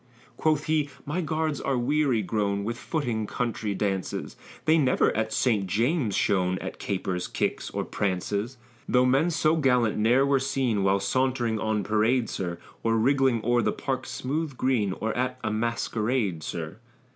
Quoth he, my guards are weary grown With footing country dances, They never at St. James's shone, At capers, kicks, or prances. Though men so gallant ne'er were seen, While sauntering on parade, sir, Or wriggling o'er the park's smooth green, Or at a masquerade, sir.